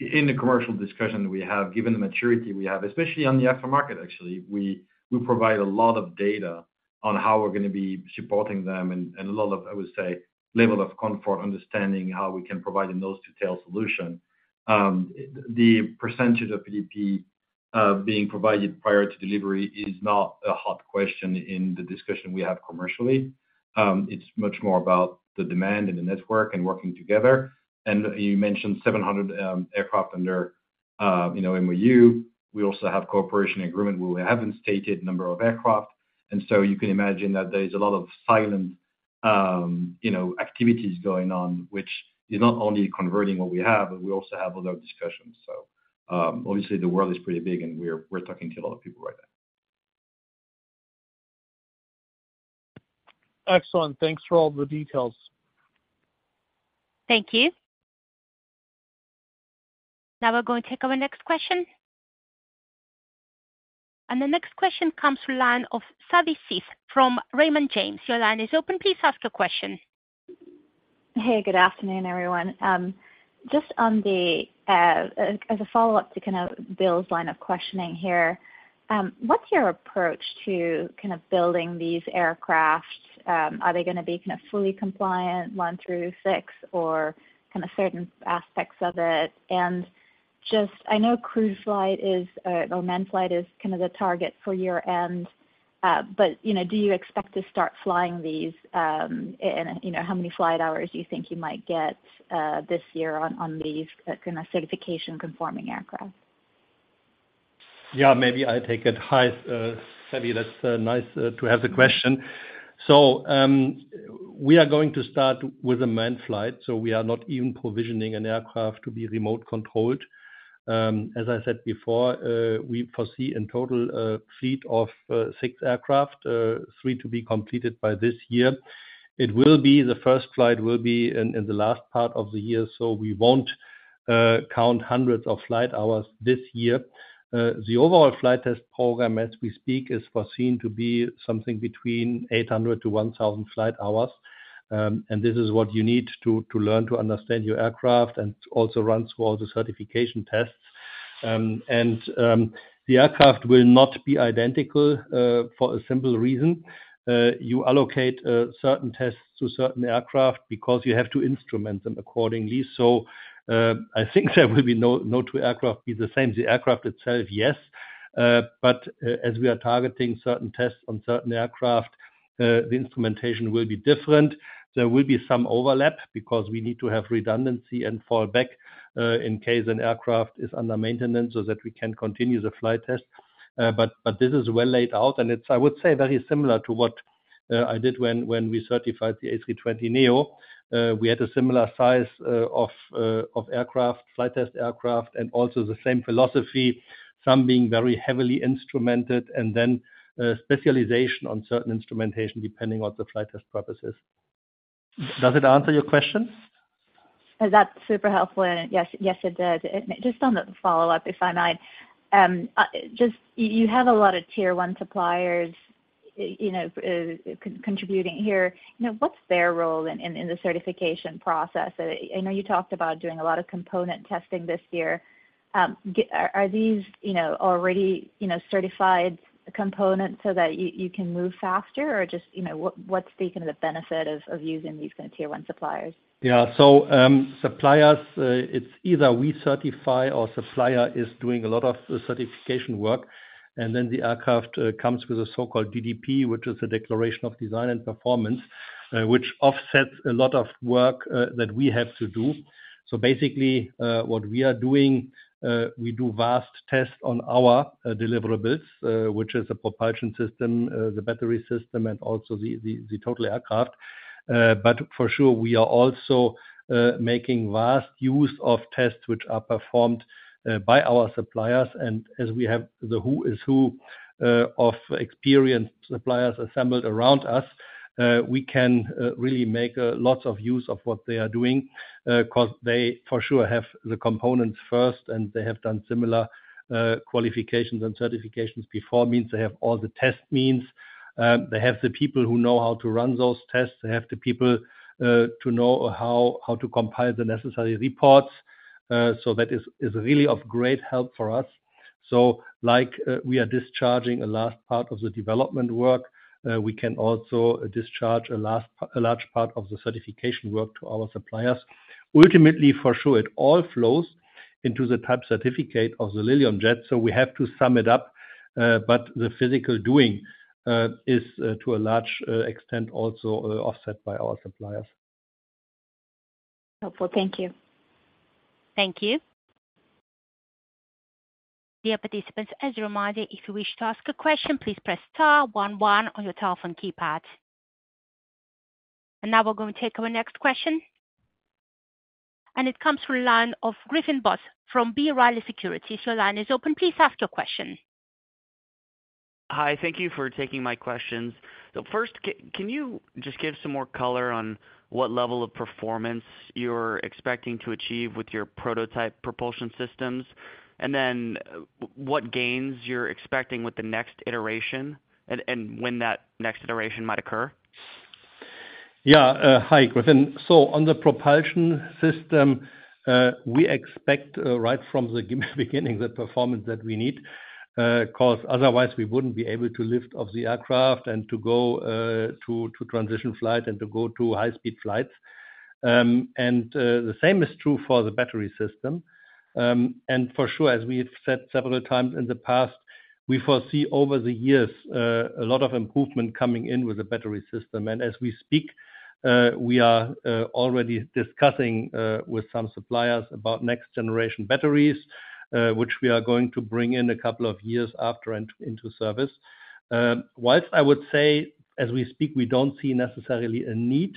In the commercial discussion we have, given the maturity we have, especially on the aftermarket, actually, we provide a lot of data on how we're going to be supporting them and a lot of, I would say, level of comfort understanding how we can provide a nose-to-tail solution. The percentage of PDP being provided prior to delivery is not a hot question in the discussion we have commercially. It's much more about the demand and the network and working together. And you mentioned 700 aircraft under MOU. We also have cooperation agreement where we haven't stated number of aircraft. So you can imagine that there is a lot of silent activities going on, which is not only converting what we have, but we also have other discussions. So obviously, the world is pretty big, and we're talking to a lot of people right now. Excellent. Thanks for all the details. Thank you. Now we're going to take our next question. The next question comes from Savi Syth from Raymond James. Your line is open. Please ask your question. Hey. Good afternoon, everyone. Just as a follow-up to kind of Bill's line of questioning here, what's your approach to kind of building these aircraft? Are they going to be kind of fully compliant, 1 through 6, or kind of certain aspects of it? I know crewed flight or manned flight is kind of the target for year-end. But do you expect to start flying these? And how many flight hours do you think you might get this year on these kind of certification-conforming aircraft? Yeah. Maybe I take it. Hi, Savi. That's nice to have the question. So we are going to start with a manned flight. So we are not even provisioning an aircraft to be remote-controlled. As I said before, we foresee in total a fleet of 6 aircraft, 3 to be completed by this year. The first flight will be in the last part of the year. So we won't count hundreds of flight hours this year. The overall flight test program, as we speak, is foreseen to be something between 800-1,000 flight hours. This is what you need to learn to understand your aircraft and also run through all the certification tests. The aircraft will not be identical for a simple reason. You allocate certain tests to certain aircraft because you have to instrument them accordingly. So I think there will be no two aircraft be the same. The aircraft itself, yes. But as we are targeting certain tests on certain aircraft, the instrumentation will be different. There will be some overlap because we need to have redundancy and fallback in case an aircraft is under maintenance so that we can continue the flight test. But this is well laid out. It's, I would say, very similar to what I did when we certified the A320neo. We had a similar size of flight test aircraft and also the same philosophy, some being very heavily instrumented and then specialization on certain instrumentation depending on the flight test purposes. Does it answer your question? That's super helpful. Yes, it did. Just on the follow-up, if I may, you have a lot of tier-one suppliers contributing here. What's their role in the certification process? I know you talked about doing a lot of component testing this year. Are these already certified components so that you can move faster? Or just what's the kind of benefit of using these kind of tier-one suppliers? Yeah. So suppliers, it's either we certify or supplier is doing a lot of certification work. And then the aircraft comes with a so-called DDP, which is the Declaration of Design and Performance, which offsets a lot of work that we have to do. So basically, what we are doing, we do vast tests on our deliverables, which is the propulsion system, the battery system, and also the total aircraft. But for sure, we are also making vast use of tests which are performed by our suppliers. And as we have the Who's who of experienced suppliers assembled around us, we can really make lots of use of what they are doing because they for sure have the components first, and they have done similar qualifications and certifications before, means they have all the test means. They have the people who know how to run those tests. They have the people to know how to compile the necessary reports. So that is really of great help for us. Like we are discharging a last part of the development work, we can also discharge a large part of the certification work to our suppliers. Ultimately, for sure, it all flows into the Type Certificate of the Lilium Jet. We have to sum it up. But the physical doing is, to a large extent, also offset by our suppliers. Helpful. Thank you. Thank you. Dear participants, as a reminder, if you wish to ask a question, please press star 11 on your telephone keypad. Now we're going to take our next question. It comes from Griffin Boss from B. Riley Securities. Your line is open. Please ask your question. Hi. Thank you for taking my questions. First, can you just give some more color on what level of performance you're expecting to achieve with your prototype propulsion systems? And then what gains you're expecting with the next iteration and when that next iteration might occur? Yeah. Hi, Griffin. So on the propulsion system, we expect right from the beginning the performance that we need because otherwise, we wouldn't be able to lift off the aircraft and to go to transition flight and to go to high-speed flights. And the same is true for the battery system. And for sure, as we have said several times in the past, we foresee over the years a lot of improvement coming in with the battery system. And as we speak, we are already discussing with some suppliers about next-generation batteries, which we are going to bring in a couple of years after into service. Whilst I would say, as we speak, we don't see necessarily a need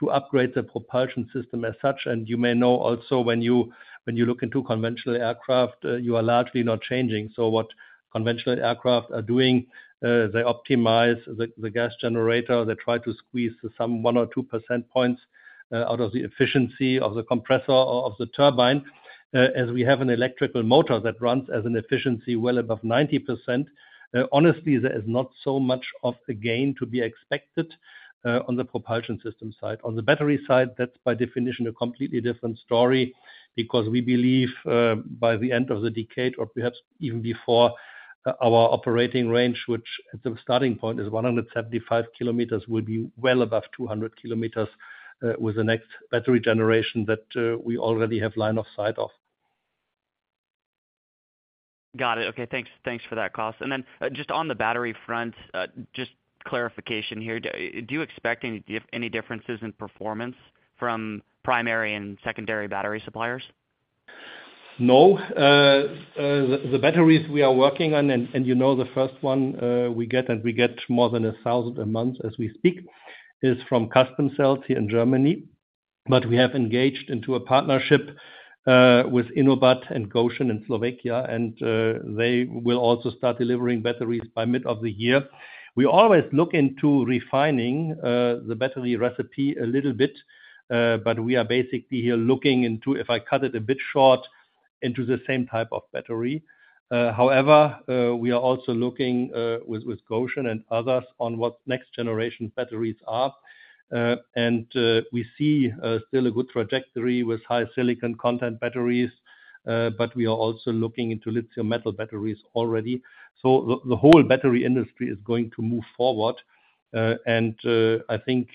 to upgrade the propulsion system as such. You may know also, when you look into conventional aircraft, you are largely not changing. So what conventional aircraft are doing, they optimize the gas generator. They try to squeeze some one or two percentage points out of the efficiency of the compressor or of the turbine. As we have an electrical motor that runs at an efficiency well above 90%, honestly, there is not so much of a gain to be expected on the propulsion system side. On the battery side, that's by definition a completely different story because we believe by the end of the decade or perhaps even before our operating range, which at the starting point is 175 km, will be well above 200 km with the next battery generation that we already have line of sight of. Got it. Okay. Thanks for that, Klaus. And then just on the battery front, just clarification here. Do you expect any differences in performance from primary and secondary battery suppliers? No. The batteries we are working on and the first one we get and we get more than 1,000 a month as we speak is from Customcells here in Germany. But we have engaged into a partnership with InoBat and Gotion in Slovakia. And they will also start delivering batteries by mid of the year. We always look into refining the battery recipe a little bit. But we are basically here looking into, if I cut it a bit short, into the same type of battery. However, we are also looking with Gotion and others on what next-generation batteries are. And we see still a good trajectory with high-silicon content batteries. But we are also looking into lithium-metal batteries already. So the whole battery industry is going to move forward. I think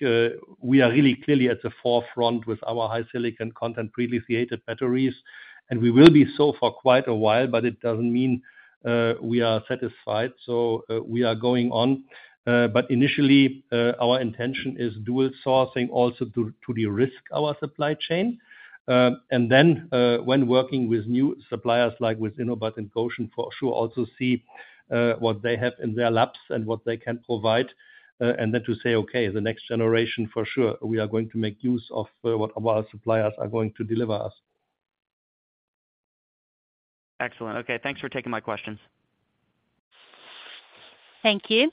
we are really clearly at the forefront with our high-silicon content pre-lithiated batteries. We will be so for quite a while. But it doesn't mean we are satisfied. So we are going on. But initially, our intention is dual sourcing also to de-risk our supply chain. Then when working with new suppliers like with InoBat and Gotion, for sure, also see what they have in their labs and what they can provide. And then to say, "Okay. The next generation, for sure, we are going to make use of what our suppliers are going to deliver us." Excellent. Okay. Thanks for taking my questions. Thank you.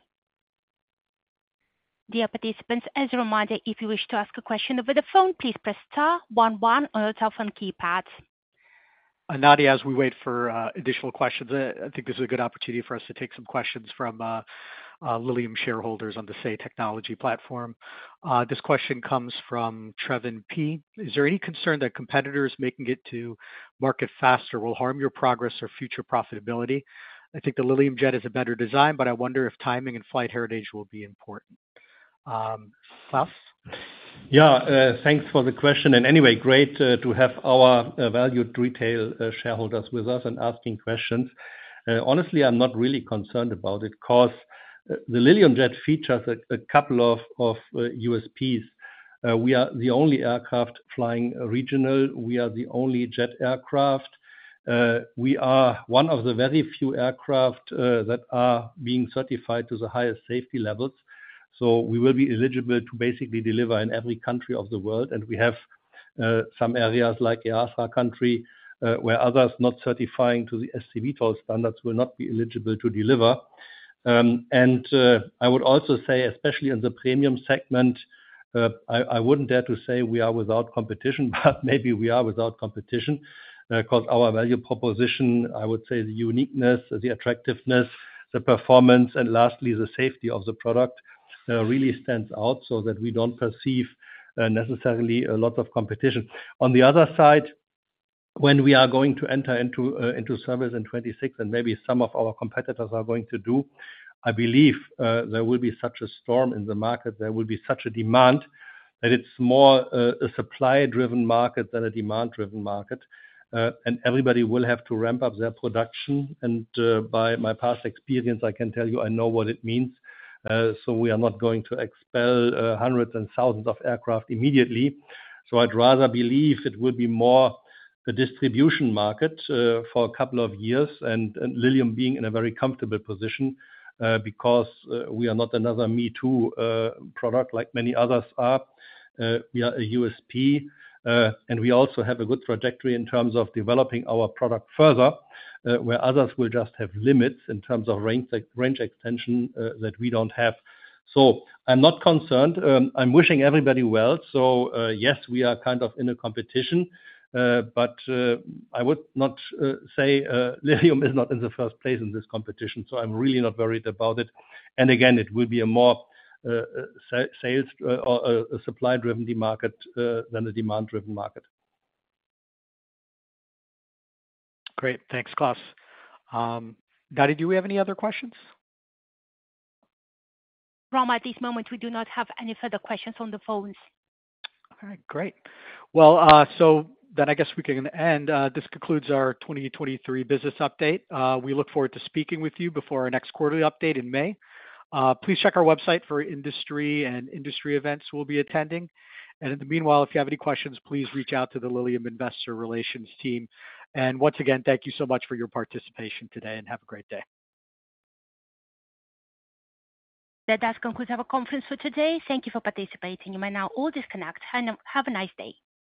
Dear participants, as a reminder, if you wish to ask a question over the phone, please press star one one on your telephone keypad. Nadia, as we wait for additional questions, I think this is a good opportunity for us to take some questions from Lilium shareholders on the Say Technology platform. This question comes from Treven P. "Is there any concern that competitors making it to market faster will harm your progress or future profitability? I think the Lilium Jet is a better design, but I wonder if timing and flight heritage will be important." Klaus? Yeah. Thanks for the question. And anyway, great to have our valued retail shareholders with us and asking questions. Honestly, I'm not really concerned about it because the Lilium Jet features a couple of USPs. We are the only aircraft flying regional. We are the only jet aircraft. We are one of the very few aircraft that are being certified to the highest safety levels. We will be eligible to basically deliver in every country of the world. We have some areas like EASA country where others not certifying to the SC-VTOL standards will not be eligible to deliver. I would also say, especially in the premium segment, I wouldn't dare to say we are without competition. But maybe we are without competition because our value proposition, I would say, the uniqueness, the attractiveness, the performance, and lastly, the safety of the product really stands out so that we don't perceive necessarily lots of competition. On the other side, when we are going to enter into service in 2026 and maybe some of our competitors are going to do, I believe there will be such a storm in the market. There will be such a demand that it's more a supply-driven market than a demand-driven market. Everybody will have to ramp up their production. By my past experience, I can tell you I know what it means. So we are not going to expel hundreds and thousands of aircraft immediately. So I'd rather believe it will be more a distribution market for a couple of years and Lilium being in a very comfortable position because we are not another me-too product like many others are. We are a USP. And we also have a good trajectory in terms of developing our product further where others will just have limits in terms of range extension that we don't have. So I'm not concerned. I'm wishing everybody well. So yes, we are kind of in a competition. But I would not say Lilium is not in the first place in this competition. So I'm really not worried about it. Again, it will be a more supply-driven market than a demand-driven market. Great. Thanks, Klaus. Nadia, do we have any other questions? From at this moment, we do not have any further questions on the phones. All right. Great. Well, so then I guess we can end. This concludes our 2023 business update. We look forward to speaking with you before our next quarterly update in May. Please check our website for industry and industry events we'll be attending. In the meanwhile, if you have any questions, please reach out to the Lilium Investor Relations team. Once again, thank you so much for your participation today. Have a great day. That does conclude our conference for today. Thank you for participating. You may now all disconnect. Have a nice day.